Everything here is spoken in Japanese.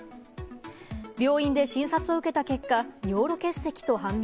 病院で診察を受けた結果、尿路結石と判明。